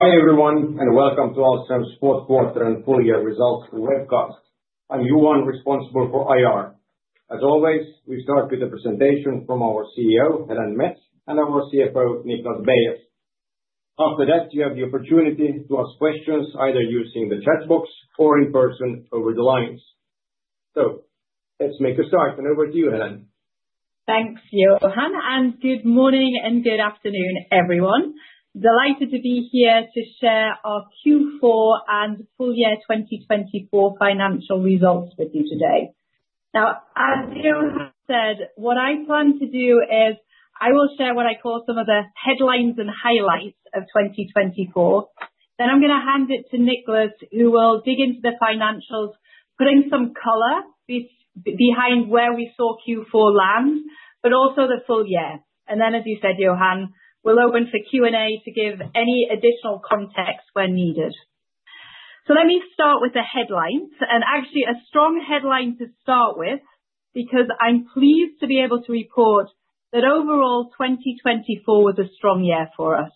Hi everyone, and welcome to Ahlstrom's fourth quarter and full year results webcast. I'm Johan, responsible for IR. As always, we start with a presentation from our CEO, Helen Mets, and our CFO, Niklas Beyes. After that, you have the opportunity to ask questions either using the chat box or in person over the lines. So let's make a start, and over to you, Helen. Thanks, Johan, and good morning and good afternoon, everyone. Delighted to be here to share our Q4 and full year 2024 financial results with you today. Now, as Johan said, what I plan to do is I will share what I call some of the headlines and highlights of 2024. Then I'm going to hand it to Niklas, who will dig into the financials, put in some color behind where we saw Q4 land, but also the full year, and then, as you said, Johan, we'll open for Q&A to give any additional context where needed, so let me start with the headlines, and actually a strong headline to start with, because I'm pleased to be able to report that overall 2024 was a strong year for us.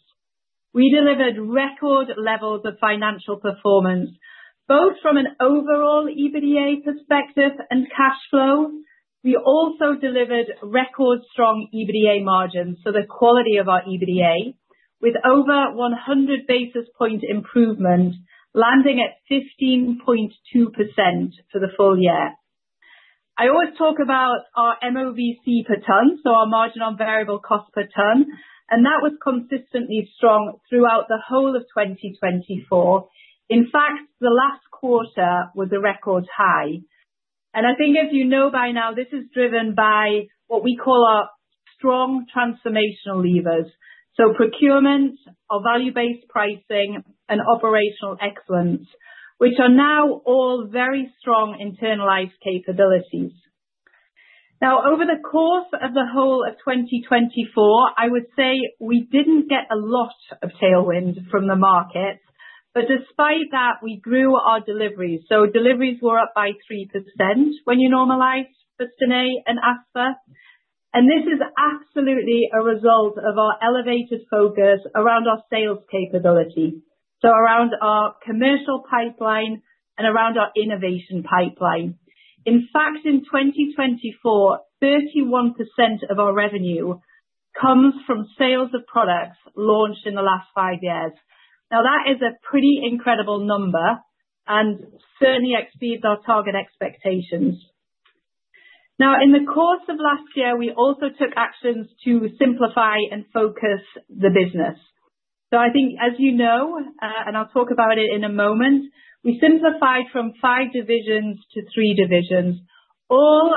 We delivered record levels of financial performance, both from an overall EBITDA perspective and cash flow. We also delivered record strong EBITDA margins, so the quality of our EBITDA, with over 100 basis points improvement, landing at 15.2% for the full year. I always talk about our MOVC per ton, so our margin on variable cost per ton, and that was consistently strong throughout the whole of 2024. In fact, the last quarter was a record high, and I think, as you know by now, this is driven by what we call our strong transformational levers, so procurement, our value-based pricing, and operational excellence, which are now all very strong internalized capabilities. Now, over the course of the whole of 2024, I would say we didn't get a lot of tailwind from the market, but despite that, we grew our deliveries, so deliveries were up by 3% when you normalize for Stenay and Aspa. This is absolutely a result of our elevated focus around our sales capability, so around our commercial pipeline and around our innovation pipeline. In fact, in 2024, 31% of our revenue comes from sales of products launched in the last five years. Now, that is a pretty incredible number, and certainly exceeds our target expectations. Now, in the course of last year, we also took actions to simplify and focus the business. So I think, as you know, and I'll talk about it in a moment, we simplified from five divisions to three divisions, all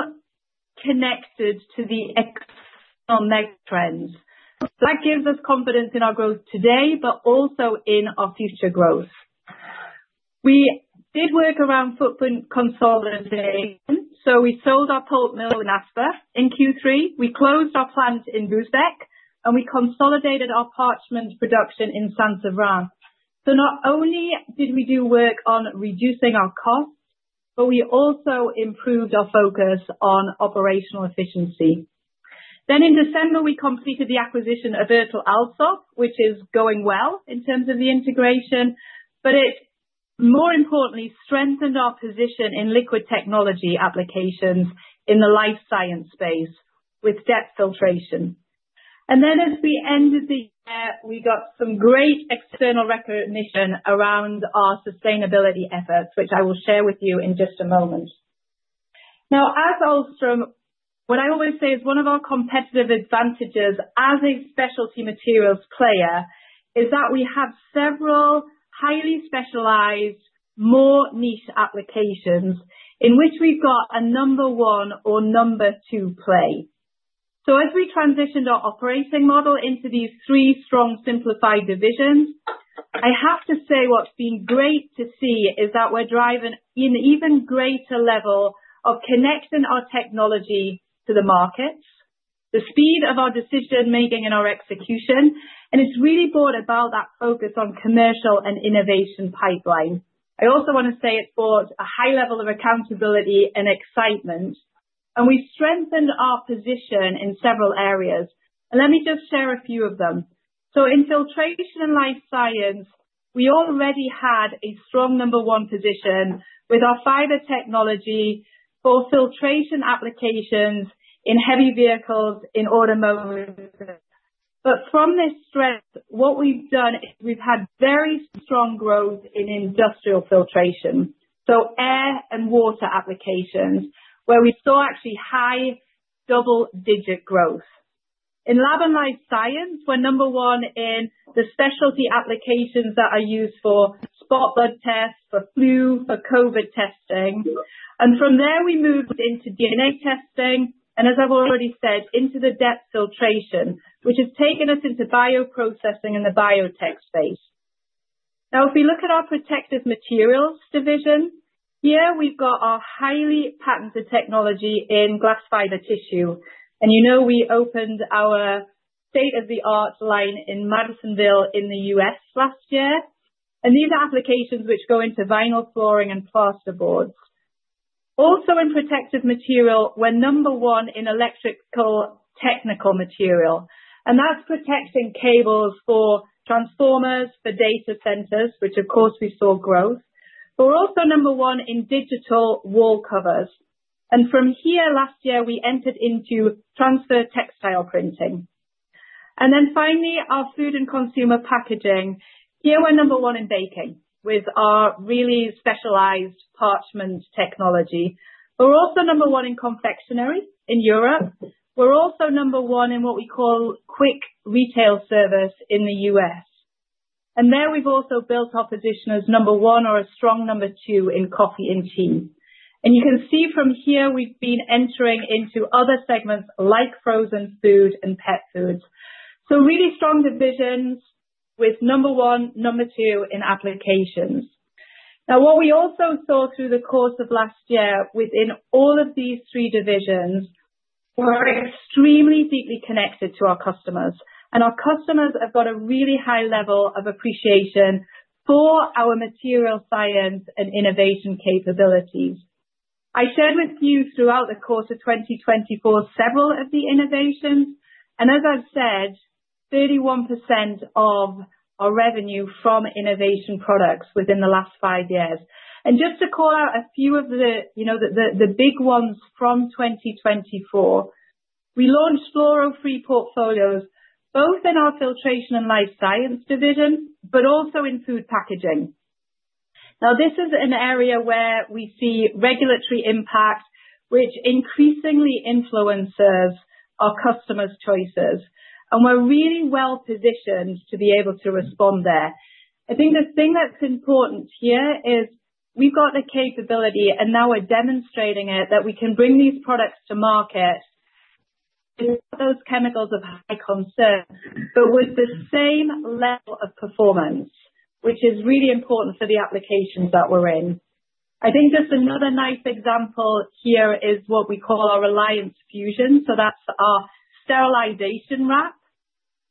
connected to the external megatrends. That gives us confidence in our growth today, but also in our future growth. We did work around footprint consolidation, so we sold our pulp mill in Aspa in Q3, we closed our plant in Bousbecque, and we consolidated our parchment production in Saint-Séverin. So not only did we do work on reducing our costs, but we also improved our focus on operational efficiency. Then, in December, we completed the acquisition of ErtelAlsop, which is going well in terms of the integration, but it, more importantly, strengthened our position in liquid technology applications in the life science space with depth filtration. And then, as we ended the year, we got some great external recognition around our sustainability efforts, which I will share with you in just a moment. Now, as Ahlstrom, what I always say is one of our competitive advantages as a specialty materials player is that we have several highly specialized, more niche applications in which we've got a number one or number two play. As we transitioned our operating model into these three strong, simplified divisions, I have to say what's been great to see is that we're driving an even greater level of connecting our technology to the markets, the speed of our decision-making and our execution, and it's really brought about that focus on commercial and innovation pipeline. I also want to say it's brought a high level of accountability and excitement, and we've strengthened our position in several areas. And let me just share a few of them. So, in filtration and life science, we already had a strong number one position with our fiber technology for filtration applications in heavy vehicles, in automotive. But from this strength, what we've done is we've had very strong growth in industrial filtration, so air and water applications, where we saw actually high double-digit growth. In lab and life science, we're number one in the specialty applications that are used for spot blood tests, for flu, for COVID testing, and from there, we moved into DNA testing, and as I've already said, into the depth filtration, which has taken us into bioprocessing and the biotech space. Now, if we look at our protective materials division, here we've got our highly patented technology in glass fiber tissue, and you know we opened our state-of-the-art line in Madisonville in the U.S. last year, and these are applications which go into vinyl flooring and plasterboards. Also, in protective material, we're number one in electrical technical material, and that's protecting cables for transformers, for data centers, which, of course, we saw growth, but we're also number one in digital wall covers, and from here, last year, we entered into transfer textile printing. And then finally, our food and consumer packaging. Here we're number one in baking with our really specialized parchment technology. We're also number one in confectionery in Europe. We're also number one in what we call quick retail service in the U.S. And there we've also built our position as number one or a strong number two in coffee and tea. And you can see from here we've been entering into other segments like frozen food and pet foods. So, really strong divisions with number one, number two in applications. Now, what we also saw through the course of last year within all of these three divisions were extremely deeply connected to our customers. And our customers have got a really high level of appreciation for our material science and innovation capabilities. I shared with you throughout the course of 2024 several of the innovations, and as I've said, 31% of our revenue from innovation products within the last five years. And just to call out a few of the big ones from 2024, we launched fluoro-free portfolios, both in our filtration and life science division, but also in food packaging. Now, this is an area where we see regulatory impact, which increasingly influences our customers' choices. And we're really well positioned to be able to respond there. I think the thing that's important here is we've got the capability, and now we're demonstrating it, that we can bring these products to market without those chemicals of high concern, but with the same level of performance, which is really important for the applications that we're in. I think just another nice example here is what we call our Reliance Fusion. So that's our sterilization wrap,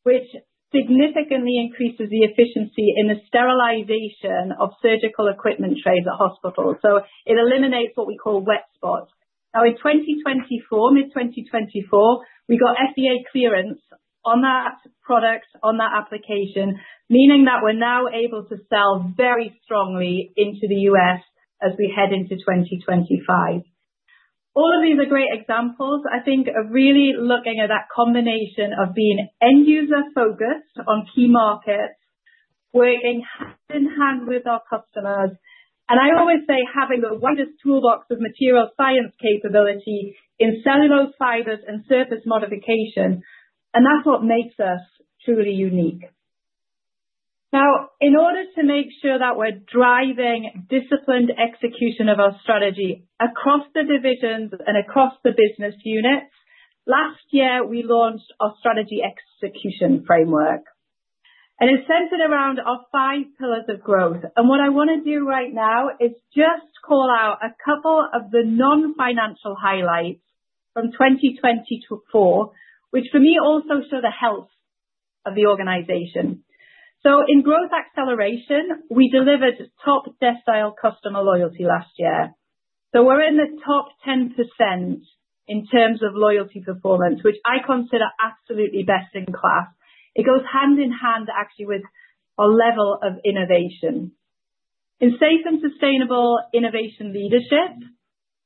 which significantly increases the efficiency in the sterilization of surgical equipment trays at hospitals. So it eliminates what we call wet spots. Now, in 2024, mid-2024, we got FDA clearance on that product, on that application, meaning that we're now able to sell very strongly into the U.S. as we head into 2025. All of these are great examples. I think of really looking at that combination of being end-user-focused on key markets, working hand in hand with our customers. And I always say having the widest toolbox of material science capability in cellulose fibers and surface modification, and that's what makes us truly unique. Now, in order to make sure that we're driving disciplined execution of our strategy across the divisions and across the business units, last year we launched our strategy execution framework. And it's centered around our five pillars of growth. What I want to do right now is just call out a couple of the non-financial highlights from 2024, which for me also show the health of the organization. In growth acceleration, we delivered top decile customer loyalty last year. We're in the top 10% in terms of loyalty performance, which I consider absolutely best in class. It goes hand in hand, actually, with our level of innovation. In safe and sustainable innovation leadership,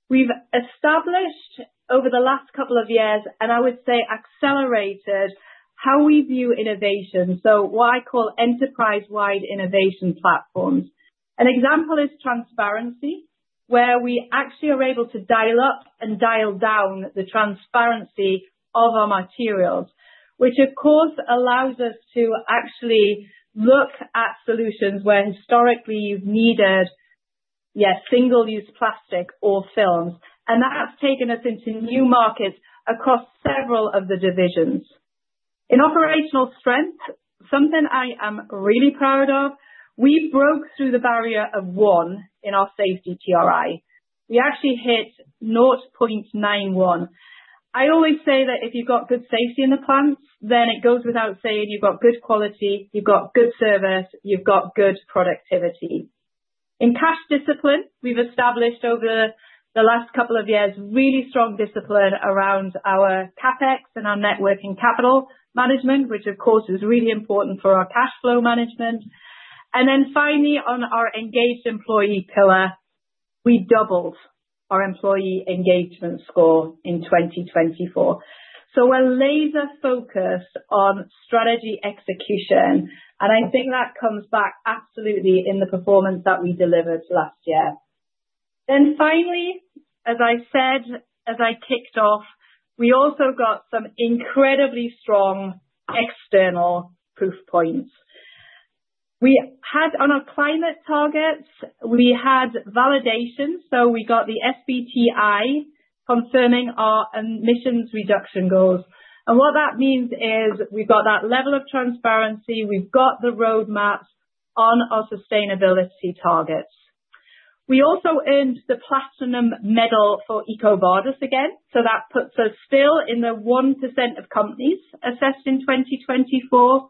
we've established over the last couple of years, and I would say accelerated, how we view innovation, so what I call enterprise-wide innovation platforms. An example is transparency, where we actually are able to dial up and dial down the transparency of our materials, which, of course, allows us to actually look at solutions where historically you've needed, yeah, single-use plastic or films. That's taken us into new markets across several of the divisions. In operational strength, something I am really proud of, we broke through the barrier of one in our safety TRI. We actually hit 0.91. I always say that if you've got good safety in the plants, then it goes without saying you've got good quality, you've got good service, you've got good productivity. In cash discipline, we've established over the last couple of years really strong discipline around our CapEx and our net working capital management, which, of course, is really important for our cash flow management. And then finally, on our engaged employee pillar, we doubled our employee engagement score in 2024. So we're laser-focused on strategy execution, and I think that comes back absolutely in the performance that we delivered last year. Then finally, as I said, as I kicked off, we also got some incredibly strong external proof points. We had, on our climate targets, we had validation, so we got the SBTi confirming our emissions reduction goals. And what that means is we've got that level of transparency, we've got the roadmaps on our sustainability targets. We also earned the platinum medal for EcoVadis again, so that puts us still in the 1% of companies assessed in 2024.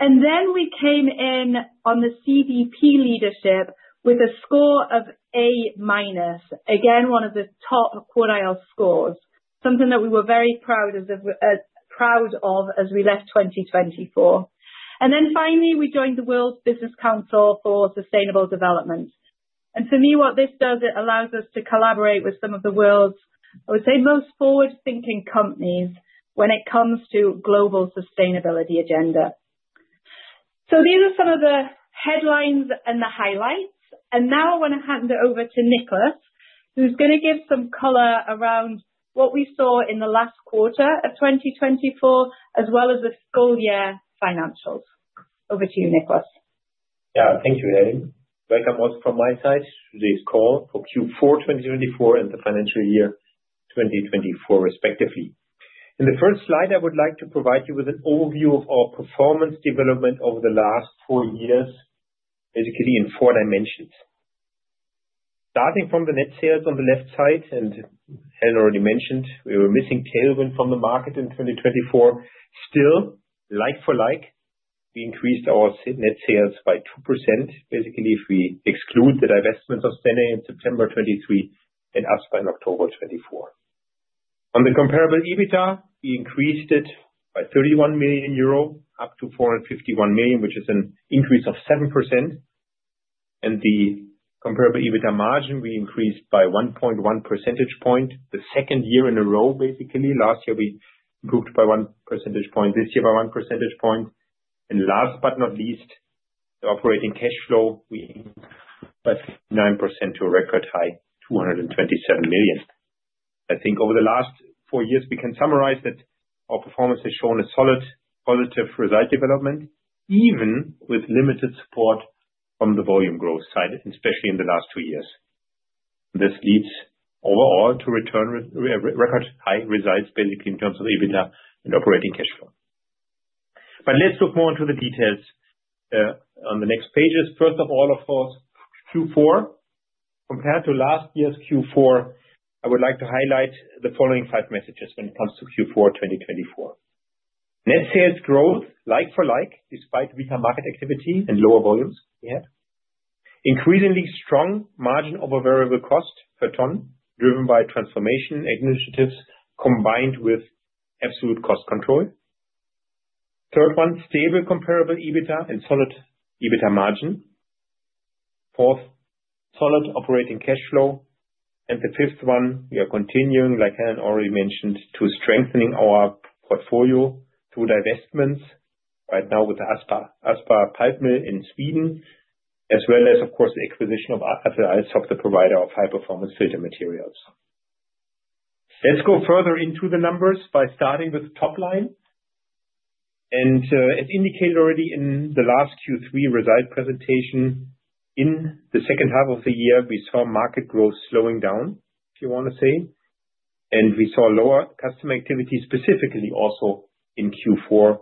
And then we came in on the CDP leadership with a score of A minus, again, one of the top quartile scores, something that we were very proud of as we left 2024. And then finally, we joined the World Business Council for Sustainable Development. For me, what this does, it allows us to collaborate with some of the world's, I would say, most forward-thinking companies when it comes to global sustainability agenda. These are some of the headlines and the highlights. Now I want to hand it over to Niklas, who's going to give some color around what we saw in the last quarter of 2024, as well as the full year financials. Over to you, Niklas. Yeah, thank you, Helen. Welcome also from my side to this call for Q4 2024 and the financial year 2024, respectively. In the first slide, I would like to provide you with an overview of our performance development over the last four years, basically in four dimensions. Starting from the net sales on the left side, and Helen already mentioned, we were missing tailwind from the market in 2024. Still, like for like, we increased our net sales by 2%, basically if we exclude the divestments of Stenay in September 2023 and Aspa in October 2024. On the comparable EBITDA, we increased it by 31 million euro, up to 451 million, which is an increase of 7%. And the comparable EBITDA margin, we increased by 1.1 percentage points, the second year in a row, basically. Last year, we improved by one percentage point, this year by one percentage point. And last but not least, the operating cash flow, we increased by 9% to a record high, 227 million. I think over the last four years, we can summarize that our performance has shown a solid, positive result development, even with limited support from the volume growth side, especially in the last two years. This leads overall to return record high results, basically in terms of EBITDA and operating cash flow. But let's look more into the details on the next pages. First of all, of course, Q4. Compared to last year's Q4, I would like to highlight the following five messages when it comes to Q4 2024. Net sales growth, like for like, despite weaker market activity and lower volumes we had. Increasingly strong margin on variable cost per ton, driven by transformation initiatives combined with absolute cost control. Third one, stable comparable EBITDA and solid EBITDA margin. Fourth, solid operating cash flow. And the 5th one, we are continuing, like Helen already mentioned, to strengthen our portfolio through divestments right now with the Aspa Pulp Mill in Sweden, as well as, of course, the acquisition of ErtelAlsop, the provider of high-performance filter materials. Let's go further into the numbers by starting with the top line. And as indicated already in the last Q3 result presentation, in the second half of the year, we saw market growth slowing down, if you want to say. And we saw lower customer activity specifically also in Q4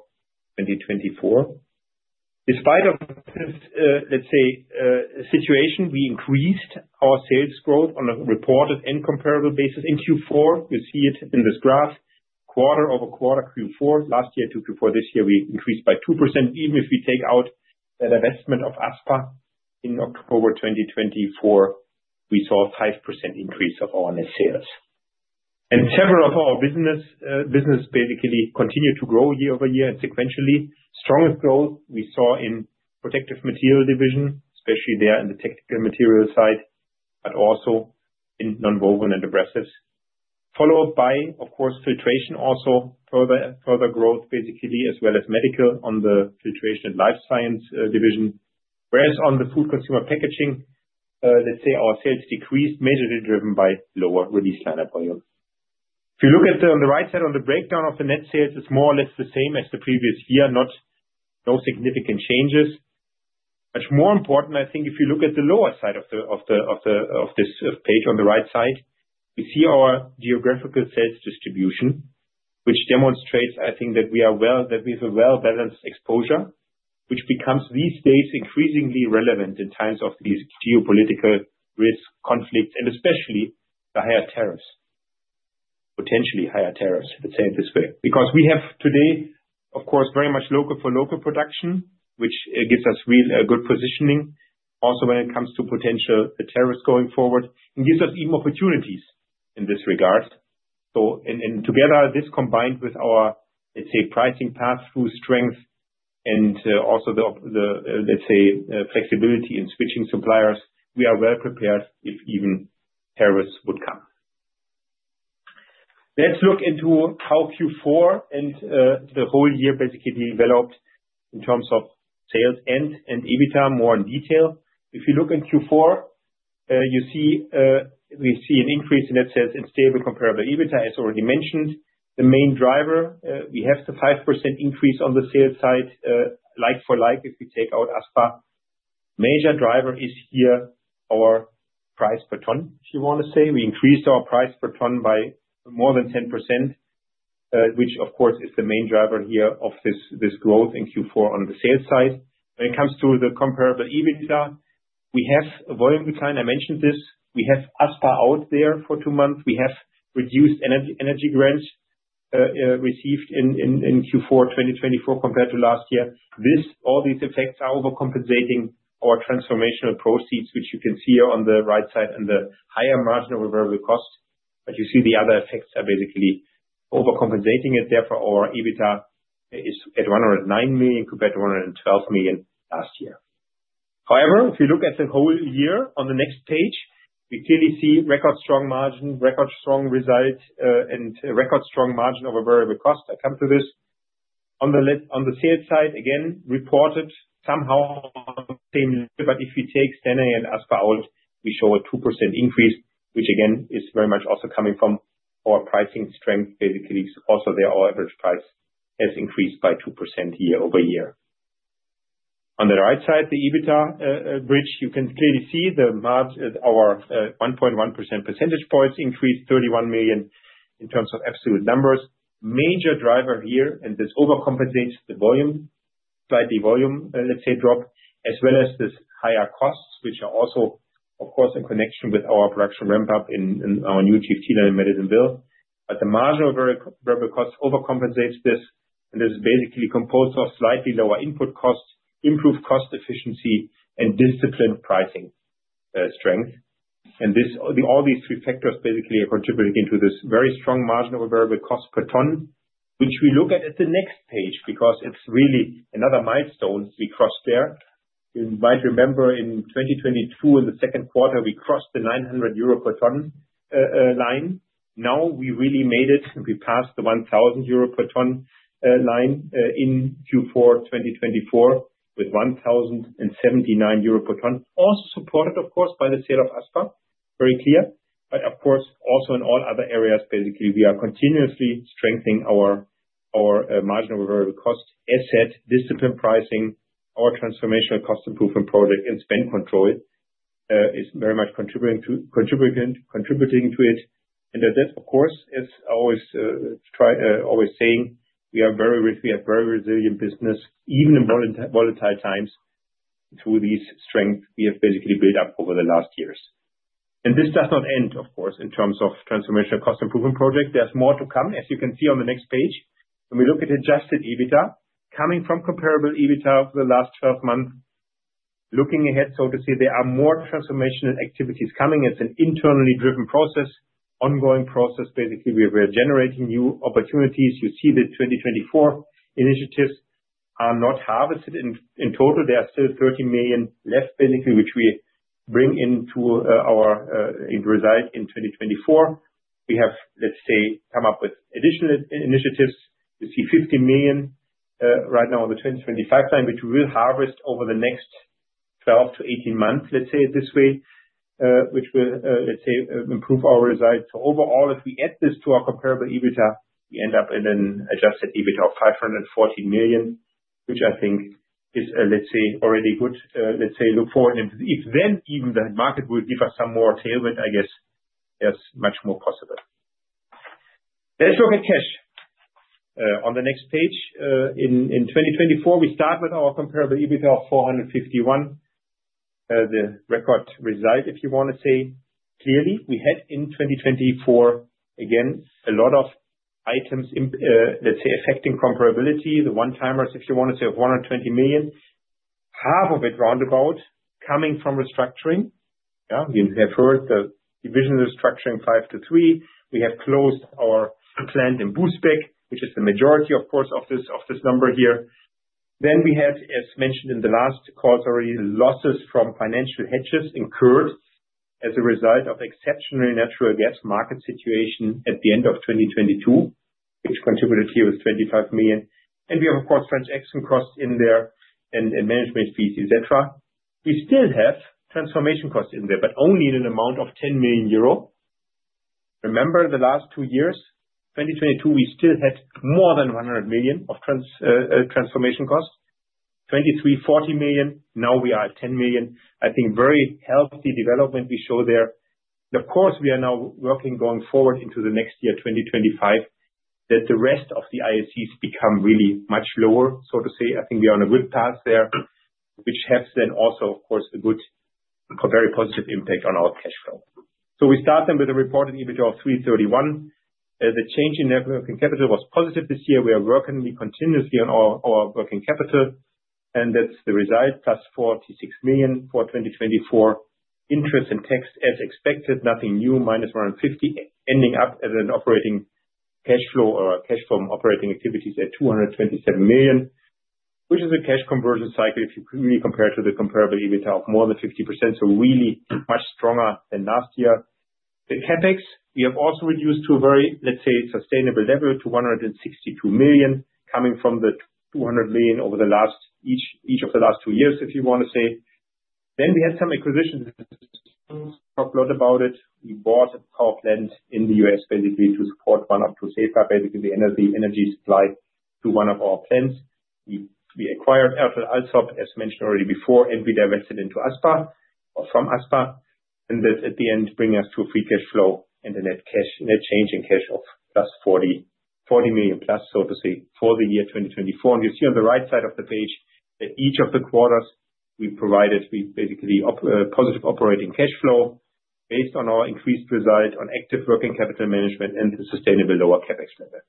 2024. Despite of this, let's say, situation, we increased our sales growth on a reported and comparable basis in Q4. You see it in this graph. Quarter-over-quarter Q4, last year to Q4 this year, we increased by 2%. Even if we take out that divestment of Aspa in October 2024, we saw a 5% increase of our net sales. And several of our businesses basically continue to grow year-over-year and sequentially. Strongest growth we saw in the protective material division, especially there in the technical material side, but also in non-woven and abrasives. Followed by, of course, filtration also further growth, basically, as well as medical on the filtration and life science division. Whereas on the food consumer packaging, let's say our sales decreased majorly driven by lower release liner volume. If you look at the, on the right side, on the breakdown of the net sales, it's more or less the same as the previous year, no significant changes. Much more important, I think, if you look at the lower side of this page on the right side, we see our geographical sales distribution, which demonstrates, I think, that we have a well-balanced exposure, which becomes, these days, increasingly relevant in times of these geopolitical risk conflicts and especially the higher tariffs, potentially higher tariffs, let's say it this way. Because we have today, of course, very much local for local production, which gives us real good positioning also when it comes to potential tariffs going forward and gives us even opportunities in this regard. So together, this combined with our, let's say, pricing pass through strength and also the, let's say, flexibility in switching suppliers, we are well prepared if even tariffs would come. Let's look into how Q4 and the whole year basically developed in terms of sales and EBITDA more in detail. If you look in Q4, you see we see an increase in net sales and stable comparable EBITDA, as already mentioned. The main driver, we have the 5% increase on the sales side, like-for-like, if we take out Aspa. Major driver is here our price per ton, if you want to say. We increased our price per ton by more than 10%, which, of course, is the main driver here of this growth in Q4 on the sales side. When it comes to the comparable EBITDA, we have a volume decline. I mentioned this. We have Aspa out there for two months. We have reduced energy grants received in Q4 2024 compared to last year. All these effects are overcompensating our transformational proceeds, which you can see here on the right side and the higher margin of a variable cost. But you see the other effects are basically overcompensating it. Therefore, our EBITDA is at 109 million compared to 112 million last year. However, if you look at the whole year on the next page, we clearly see record strong margin, record strong result, and record strong margin of a variable cost. I come to this on the sales side, again, reported somehow on the same year. But if we take Stenay and Aspa out, we show a 2% increase, which again is very much also coming from our pricing strength, basically. So also there, our average price has increased by 2% year-over-year. On the right side, the EBITDA bridge, you can clearly see our 1.1 percentage points increase, 31 million in terms of absolute numbers. Major driver here, and this overcompensates the volume, slightly, let's say, drop, as well as these higher costs, which are also, of course, in connection with our production ramp-up in our new GFT line in Madisonville. But the margin on variable cost overcompensates this, and this is basically composed of slightly lower input cost, improved cost efficiency, and disciplined pricing strength. All these three factors basically are contributing to this very strong margin of a variable cost per ton, which we look at the next page because it's really another milestone we crossed there. You might remember in 2022, in the second quarter, we crossed the 900 euro per ton line. Now we really made it. We passed the 1,000 euro per ton line in Q4 2024 with 1,079 euro per ton. Also supported, of course, by the sale of Aspa, very clear. But of course, also in all other areas, basically, we are continuously strengthening our marginal variable cost asset, discipline pricing, our transformational cost improvement project, and spend control is very much contributing to it. And that, of course, is always saying we are very resilient business, even in volatile times, through these strengths we have basically built up over the last years. And this does not end, of course, in terms of transformational cost improvement project. There's more to come, as you can see on the next page. When we look at Adjusted EBITDA coming from comparable EBITDA over the last 12 months, looking ahead, so to say, there are more transformational activities coming. It's an internally driven process, ongoing process. Basically, we are generating new opportunities. You see the 2024 initiatives are not harvested in total. There are still 30 million left, basically, which we bring into our result in 2024. We have, let's say, come up with additional initiatives. You see 50 million right now on the 2025 line, which we will harvest over the next 12 to 18 months, let's say it this way, which will, let's say, improve our result. So overall, if we add this to our comparable EBITDA, we end up in an Adjusted EBITDA of 514 million, which I think is, let's say, already good, let's say, look forward. If then even the market will give us some more tailwind, I guess there's much more possible. Let's look at cash. On the next page, in 2024, we start with our comparable EBITDA of 451, the record result, if you want to say. Clearly, we had in 2024, again, a lot of items, let's say, affecting comparability, the one-timers, if you want to say, of 120 million. Half of it roundabout coming from restructuring. Yeah, you have heard the division restructuring five to three. We have closed our plant in Bousbecque, which is the majority, of course, of this number here. Then we had, as mentioned in the last calls already, losses from financial hedges incurred as a result of exceptional natural gas market situation at the end of 2022, which contributed here with 25 million. And we have, of course, transaction costs in there and management fees, etc. We still have transformation costs in there, but only in an amount of 10 million euro. Remember the last two years, 2022, we still had more than 100 million of transformation costs, 2023, 40 million. Now we are at 10 million. I think very healthy development we show there. And of course, we are now working going forward into the next year, 2025, that the rest of the ISCs become really much lower, so to say. I think we are on a good path there, which has then also, of course, a good, very positive impact on our cash flow. We start then with a reported EBITDA of 331. The change in net working capital was positive this year. We are working continuously on our working capital, and that's the result, plus 46 million for 2024. Interest and tax, as expected, nothing new, minus 150, ending up as an operating cash flow or cash from operating activities at 227 million, which is a cash conversion cycle, if you really compare to the comparable EBITDA of more than 50%, so really much stronger than last year. The CapEx, we have also reduced to a very, let's say, sustainable level to 162 million, coming from the 200 million over each of the last two years, if you want to say. Then we had some acquisitions, talked a lot about it. We bought a power plant in the U.S., basically, to support one of SEPA, basically the energy supply to one of our plants. We acquired ErtelAlsop, as mentioned already before, and we divested into Aspa or from Aspa, and that at the end, bringing us to a free cash flow and a net change in cash of plus 40 million plus, so to say, for the year 2024, and you see on the right side of the page that each of the quarters we provided, we basically positive operating cash flow based on our increased result on active working capital management and the sustainable lower CapEx level.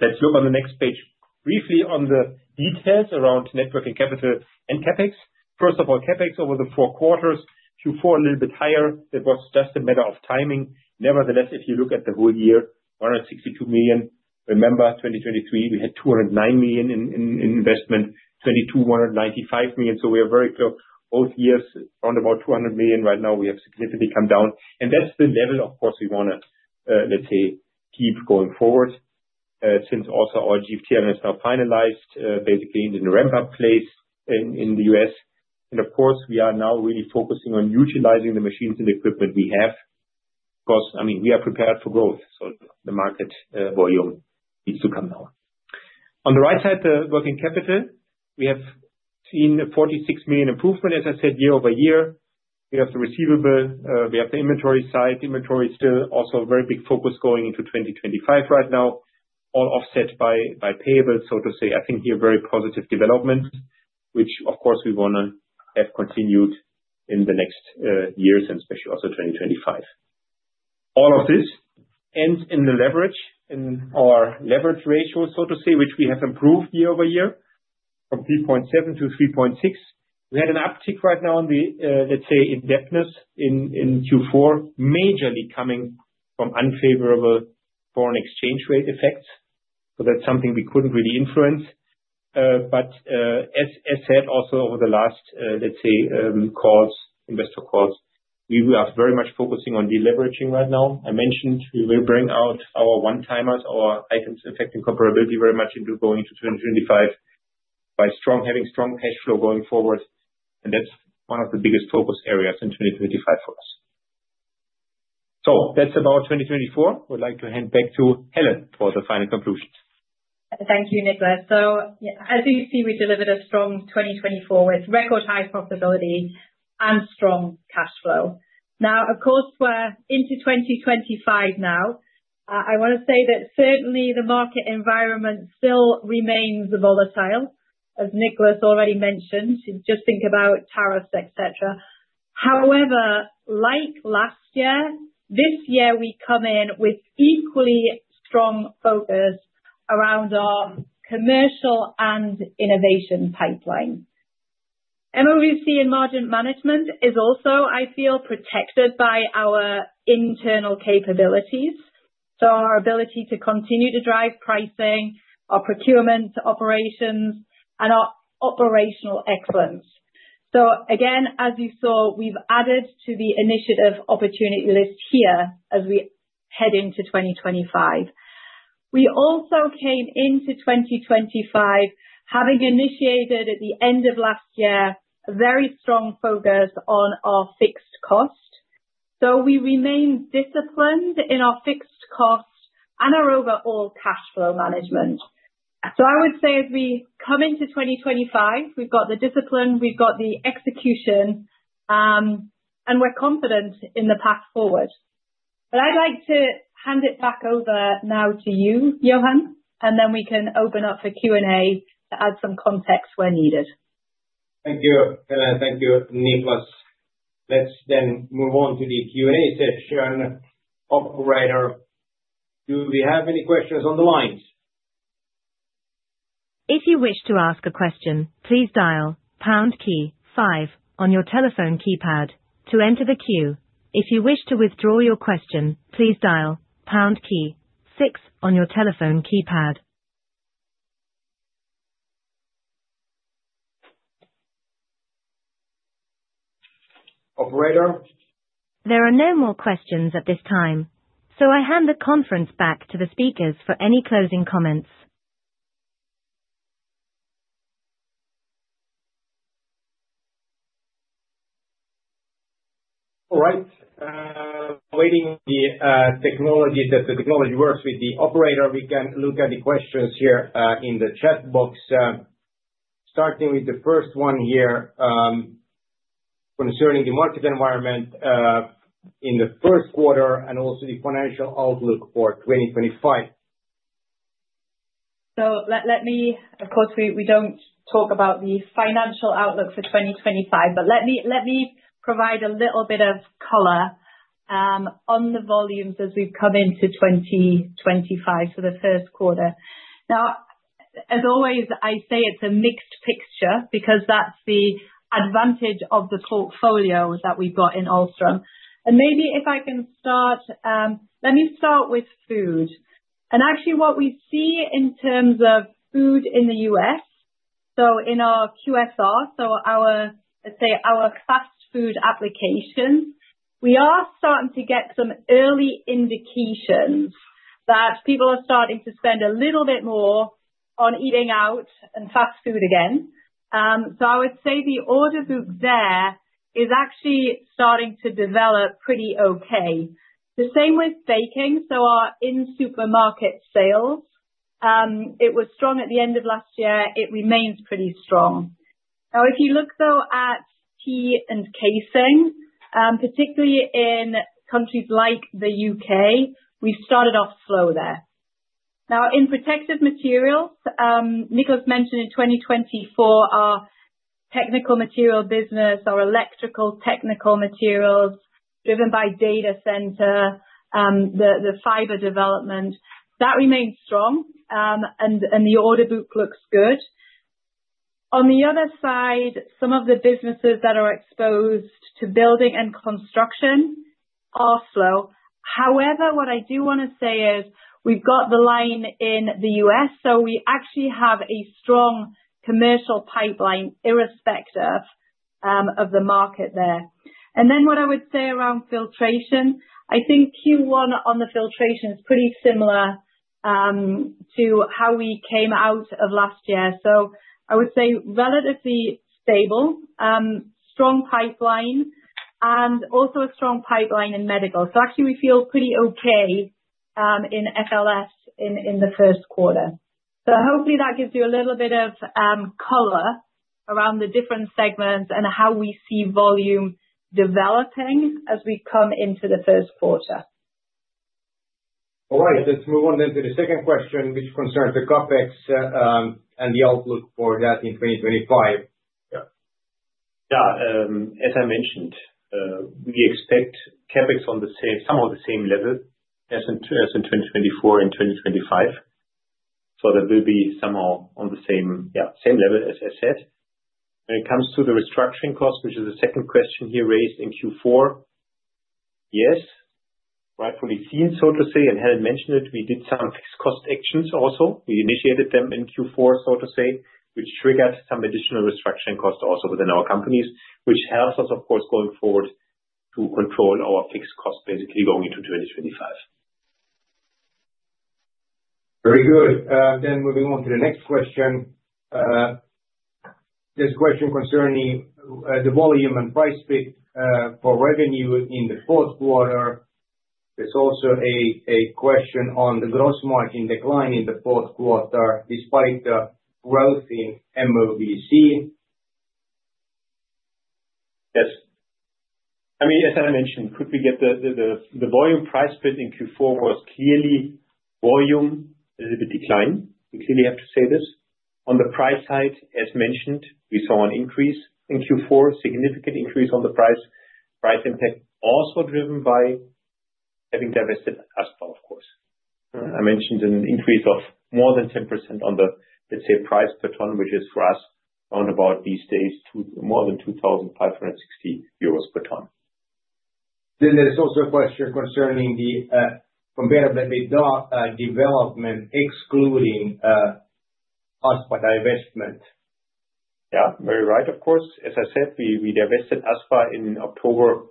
Let's look on the next page briefly on the details around net working capital and CapEx. First of all, CapEx over the four quarters, Q4 a little bit higher. It was just a matter of timing. Nevertheless, if you look at the whole year, 162 million. Remember, in 2023, we had 209 million in investment. In 2022, 195 million. So we are very clear. Both years round about 200 million. Right now, we have significantly come down. And that's the level, of course, we want to, let's say, keep going forward since also our GFT line is now finalized, basically in the ramp-up phase in the U.S. And of course, we are now really focusing on utilizing the machines and equipment we have. Of course, I mean, we are prepared for growth, so the market volume needs to come now. On the right side, the working capital, we have seen a 46 million improvement, as I said, year-over-year. We have the receivables. We have the inventory side. Inventory is still also a very big focus going into 2025 right now, all offset by payables, so to say. I think here very positive development, which of course we want to have continued in the next years and especially also 2025. All of this ends in the leverage, in our leverage ratio, so to say, which we have improved year-over-year from 3.7 to 3.6. We had an uptick right now in the, let's say, indebtedness in Q4, majorly coming from unfavorable foreign exchange rate effects. So that's something we couldn't really influence. But as said also over the last, let's say, calls, investor calls, we are very much focusing on deleveraging right now. I mentioned we will bring out our one-timers, our items affecting comparability very much into going into 2025 by having strong cash flow going forward. That's one of the biggest focus areas in 2025 for us. That's about 2024. I would like to hand back to Helen for the final conclusions. Thank you, Niklas. As you see, we delivered a strong 2024 with record high profitability and strong cash flow. Now, of course, we're into 2025 now. I want to say that certainly the market environment still remains volatile, as Niklas already mentioned. Just think about tariffs, etc. However, like last year, this year we come in with equally strong focus around our commercial and innovation pipeline. MOVC and margin management is also, I feel, protected by our internal capabilities. Our ability to continue to drive pricing, our procurement operations, and our operational excellence. Again, as you saw, we've added to the initiative opportunity list here as we head into 2025. We also came into 2025 having initiated at the end of last year a very strong focus on our fixed cost. So we remain disciplined in our fixed cost and our overall cash flow management. So I would say as we come into 2025, we've got the discipline, we've got the execution, and we're confident in the path forward. But I'd like to hand it back over now to you, Johan, and then we can open up for Q&A to add some context where needed. Thank you, Helen. Thank you, Niklas. Let's then move on to the Q&A session. Operator, do we have any questions on the lines? If you wish to ask a question, please dial pound key five on your telephone keypad to enter the queue. If you wish to withdraw your question, please dial pound key six on your telephone keypad. Operator. There are no more questions at this time, so I hand the conference back to the speakers for any closing comments. All right. Waiting on the technology that works with the operator, we can look at the questions here in the chat box, starting with the first one here concerning the market environment in the first quarter and also the financial outlook for 2025. So let me, of course, we don't talk about the financial outlook for 2025, but let me provide a little bit of color on the volumes as we've come into 2025 for the first quarter. Now, as always, I say it's a mixed picture because that's the advantage of the portfolio that we've got in Ahlstrom. And maybe if I can start, let me start with food. Actually, what we see in terms of food in the U.S., so in our QSR, so let's say our fast food applications, we are starting to get some early indications that people are starting to spend a little bit more on eating out and fast food again. So I would say the order book there is actually starting to develop pretty okay. The same with baking. So our in-supermarket sales, it was strong at the end of last year. It remains pretty strong. Now, if you look though at beverage and casing, particularly in countries like the U.K., we started off slow there. Now, in protective materials, Niklas mentioned in 2024, our technical material business, our electrical technical materials driven by data center, the fiber development, that remains strong and the order book looks good. On the other side, some of the businesses that are exposed to building and construction are slow. However, what I do want to say is we've got the line in the US, so we actually have a strong commercial pipeline irrespective of the market there. And then what I would say around filtration, I think Q1 on the filtration is pretty similar to how we came out of last year. So I would say relatively stable, strong pipeline, and also a strong pipeline in medical. So actually, we feel pretty okay in FLS in the first quarter. So hopefully that gives you a little bit of color around the different segments and how we see volume developing as we come into the first quarter. All right. Let's move on then to the second question, which concerns the CapEx and the outlook for that in 2025. Yeah. Yeah. As I mentioned, we expect CapEx on the same, somewhat the same level as in 2024 and 2025, so there will be somewhat on the same, yeah, same level as I said. When it comes to the restructuring cost, which is the second question here raised in Q4, yes, rightfully seen, so to say, and Helen mentioned it, we did some fixed cost actions also. We initiated them in Q4, so to say, which triggered some additional restructuring cost also within our companies, which helps us, of course, going forward to control our fixed cost basically going into 2025. Very good, then moving on to the next question. This question concerning the volume and price split for revenue in the fourth quarter. There's also a question on the gross margin decline in the fourth quarter despite the growth in MOVC. Yes. I mean, as I mentioned, quickly get the volume price split in Q4 was clearly volume a little bit declined. We clearly have to say this. On the price side, as mentioned, we saw an increase in Q4, significant increase on the price. Price impact also driven by having divested Aspa, of course. I mentioned an increase of more than 10% on the, let's say, price per ton, which is for us around about these days more than 2,560 euros per ton. Then there's also a question concerning the comparable development excluding Aspa divestment. Yeah. Very right, of course. As I said, we divested Aspa in October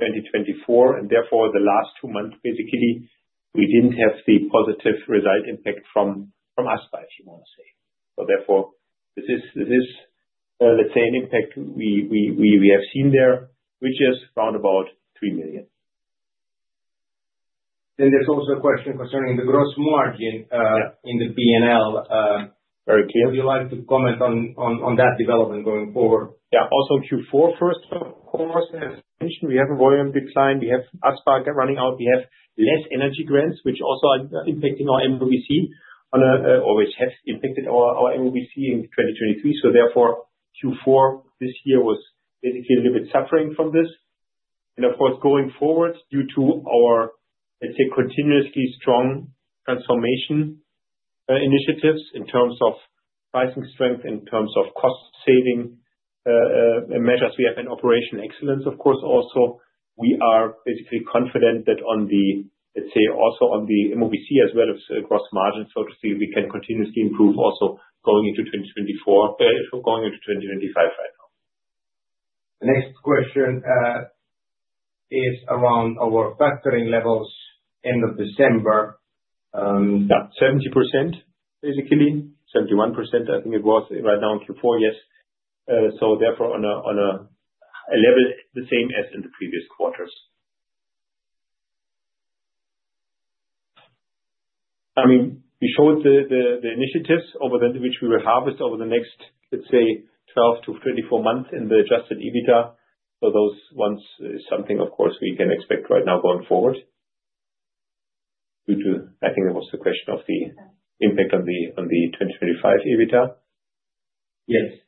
2024, and therefore the last two months, basically, we didn't have the positive result impact from Aspa, if you want to say. So therefore, this is, let's say, an impact we have seen there, which is round about 3 million. Then there's also a question concerning the gross margin in the P&L. Very clear. Would you like to comment on that development going forward? Yeah. Also Q4 first, of course, as mentioned, we have a volume decline. We have Aspa running out. We have less energy grants, which also are impacting our MOVC, always have impacted our MOVC in 2023. So therefore, Q4 this year was basically a little bit suffering from this. And of course, going forward, due to our, let's say, continuously strong transformation initiatives in terms of pricing strength, in terms of cost-saving measures, we have an operational excellence, of course, also. We are basically confident that on the, let's say, also on the MOVC as well as gross margin, so to speak, we can continuously improve also going into 2024, going into 2025 right now. The next question is around our factoring levels end of December. Yeah. 70%, basically. 71%, I think it was right now in Q4, yes. So therefore, on a level the same as in the previous quarters. I mean, we showed the initiatives over which we will harvest over the next, let's say, 12 to 24 months in the Adjusted EBITDA. So those ones is something, of course, we can expect right now going forward. I think it was the question of the impact on the 2025 EBITDA. Yes.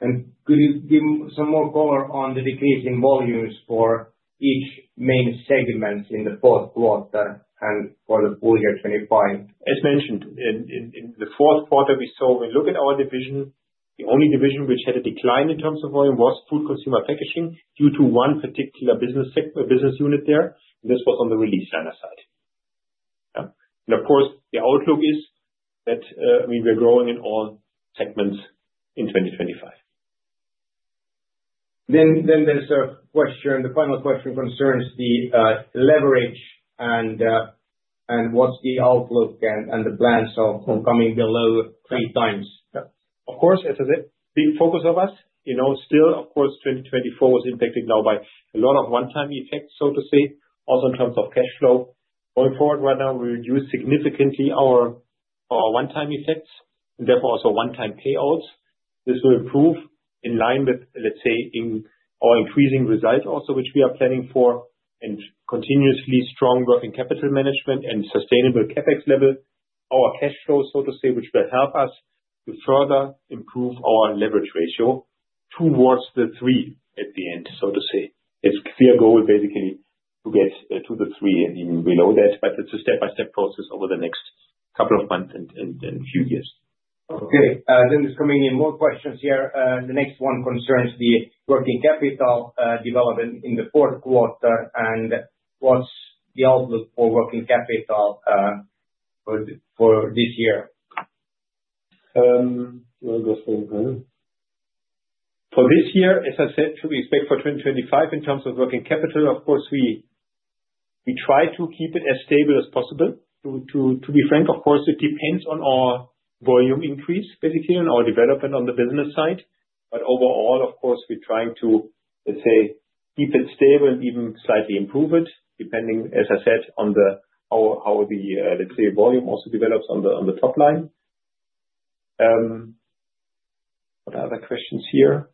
And could you give some more color on the decreasing volumes for each main segment in the fourth quarter and for the full year 2025? As mentioned, in the fourth quarter, we saw when we look at our division, the only division which had a decline in terms of volume was food consumer packaging due to one particular business unit there. And just work on the release side. Of course, the outlook is that, I mean, we're growing in all segments in 2025. There's a question, the final question concerns the leverage and what's the outlook and the plans of coming below three times. Of course, as a big focus of us, still, of course, 2024 was impacted now by a lot of one-time effects, so to say, also in terms of cash flow. Going forward right now, we reduce significantly our one-time effects and therefore also one-time payouts. This will improve in line with, let's say, our increasing result also, which we are planning for, and continuously strong working capital management and sustainable CapEx level, our cash flow, so to say, which will help us to further improve our leverage ratio towards the three at the end, so to say. It's clear goal basically to get two to three and even below that, but it's a step-by-step process over the next couple of months and a few years. Okay. Then there's coming in more questions here. The next one concerns the working capital development in the fourth quarter and what's the outlook for working capital for this year? For this year, as I said, we expect for 2025 in terms of working capital, of course, we try to keep it as stable as possible. To be frank, of course, it depends on our volume increase, basically, and our development on the business side. But overall, of course, we're trying to, let's say, keep it stable and even slightly improve it, depending, as I said, on how the, let's say, volume also develops on the top line. What other questions here?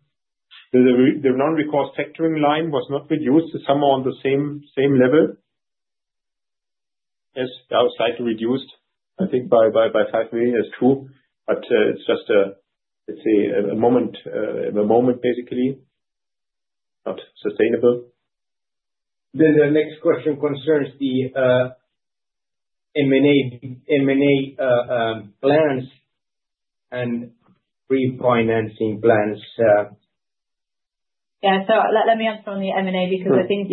The non-recourse factoring line was not reduced to somewhere on the same level. Yes, now it's slightly reduced, I think, by 5 million, that's true. But it's just a, let's say, a moment, a moment basically, not sustainable. Then the next question concerns the M&A plans and refinancing plans. Yeah. So let me answer on the M&A because I think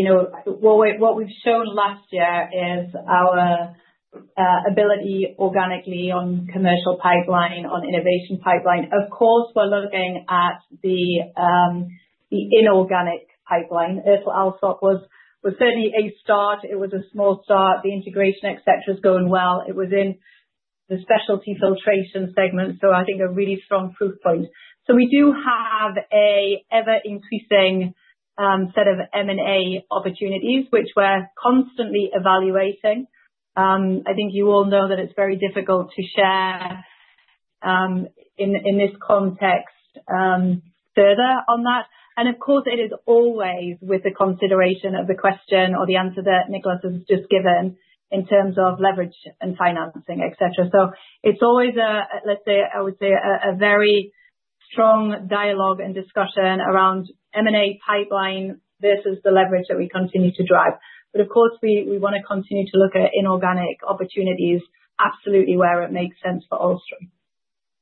what we've shown last year is our ability organically on commercial pipeline, on innovation pipeline. Of course, we're looking at the inorganic pipeline. ErtelAlsop was certainly a start. It was a small start. The integration, etc., is going well. It was in the specialty filtration segment, so I think a really strong proof point. So we do have an ever-increasing set of M&A opportunities, which we're constantly evaluating. I think you all know that it's very difficult to share in this context further on that. And of course, it is always with the consideration of the question or the answer that Niklas has just given in terms of leverage and financing, etc. So it's always, let's say, I would say a very strong dialogue and discussion around M&A pipeline versus the leverage that we continue to drive. But of course, we want to continue to look at inorganic opportunities, absolutely where it makes sense for Ahlstrom.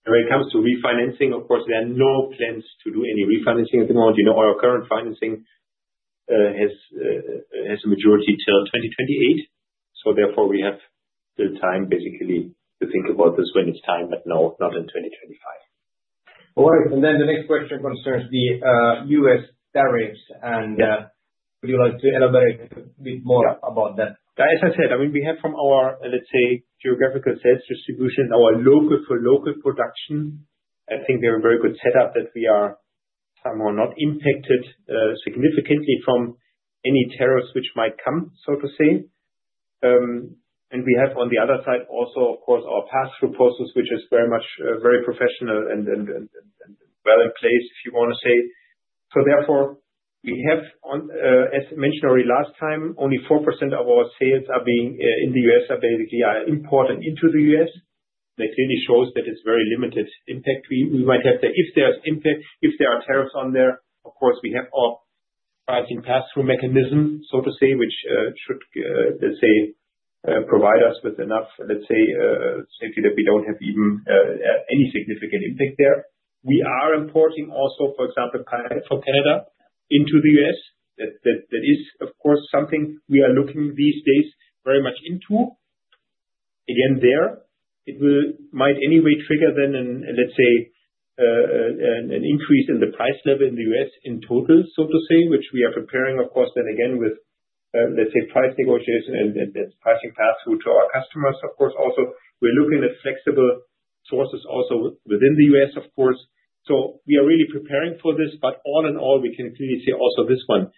And when it comes to refinancing, of course, we have no plans to do any refinancing at the moment. Our current financing has a majority till 2028. So therefore, we have the time basically to think about this when it's time, but no, not in 2025. All right. And then the next question concerns the U.S. tariffs. And would you like to elaborate a bit more about that? As I said, I mean, we have from our, let's say, geographical sales distribution, our local for local production. I think we have a very good setup that we are somewhere not impacted significantly from any tariffs which might come, so to say. And we have on the other side also, of course, our pass-through process, which is very much very professional and well in place, if you want to say. So therefore, we have, as mentioned already last time, only 4% of our sales are being in the U.S., basically are imported into the U.S. That clearly shows that it's very limited impact we might have there. If there's impact, if there are tariffs on there, of course, we have our pass-through mechanism, so to say, which should, let's say, provide us with enough, let's say, safety that we don't have even any significant impact there. We are importing also, for example, for Canada into the U.S. That is, of course, something we are looking these days very much into. Again, there, it might anyway trigger then, let's say, an increase in the price level in the U.S. in total, so to say, which we are preparing, of course, then again with, let's say, price negotiation and passing pass-through to our customers, of course, also. We're looking at flexible sources also within the U.S., of course. So we are really preparing for this, but all in all, we can clearly see also this one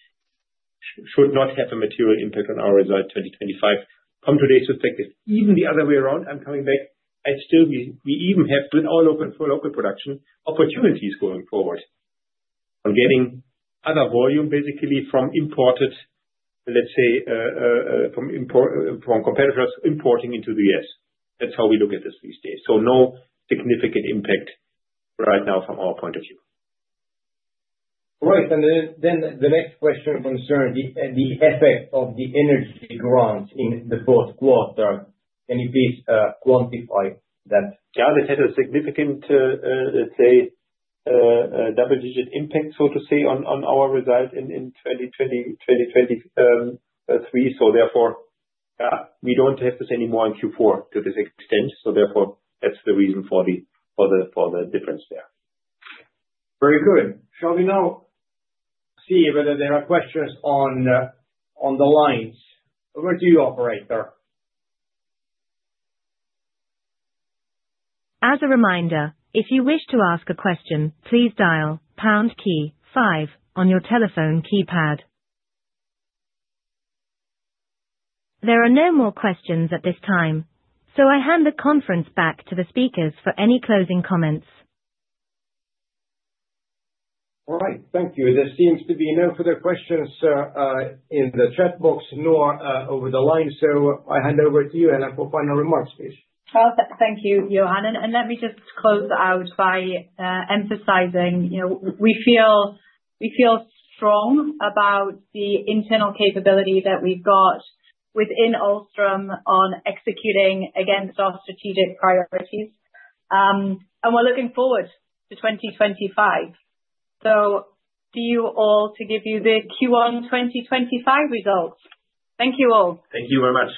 should not have a material impact on our result 2025. From today's perspective, even the other way around, I'm coming back, I still we even have with our local production opportunities going forward on getting other volume basically from imported, let's say, from competitors importing into the U.S. That's how we look at this these days. So no significant impact right now from our point of view. All right. And then the next question concerns the effect of the energy grants in the fourth quarter. Can you please quantify that? Yeah. Let's say it has a significant, let's say, double-digit impact, so to say, on our result in 2023. So therefore, yeah, we don't have to say anymore in Q4 to this extent. So therefore, that's the reason for the difference there. Very good. Shall we now see whether there are questions on the lines? Over to you operator? As a reminder, if you wish to ask a question, please dial pound key five on your telephone keypad. There are no more questions at this time, so I hand the conference back to the speakers for any closing comments. All right. Thank you. There seems to be no further questions in the chat box nor over the line, so I hand over to you, Helen, for final remarks, please. Perfect. Thank you, Johan, and let me just close out by emphasizing we feel strong about the internal capability that we've got within Ahlstrom on executing against our strategic priorities, and we're looking forward to 2025, so to you all to give you the Q1 2025 results. Thank you all. Thank you very much.